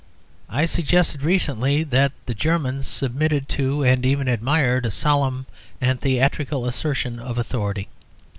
I suggested recently that the Germans submitted to, and even admired, a solemn and theatrical assertion of authority.